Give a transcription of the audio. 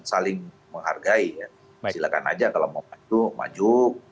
saling menghargai ya silakan aja kalau mau maju maju